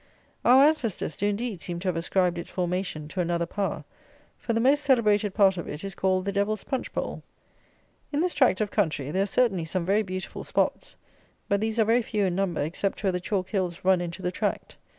Our ancestors do, indeed, seem to have ascribed its formation to another power; for the most celebrated part of it is called "the Devil's Punch Bowl." In this tract of country there are certainly some very beautiful spots. But these are very few in number, except where the chalk hills run into the tract.